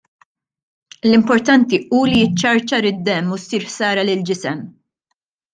L-importanti hu li jiċċarċar id-demm u ssir ħsara lill-ġisem.